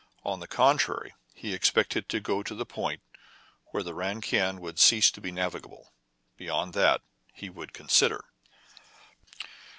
On the contrary, he expected to go to the point where the Ran Kiang would cease to be navigable. Beyond that he would consider.